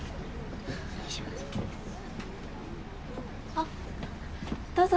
あっどうぞ。